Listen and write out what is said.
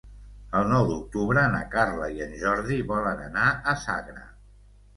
El nou d'octubre na Carla i en Jordi volen anar a Sagra.